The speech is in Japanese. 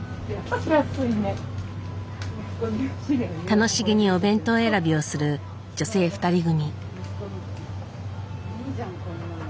楽しげにお弁当選びをする女性２人組。